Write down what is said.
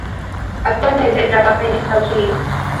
Actualmente trabaja en Estados Unidos.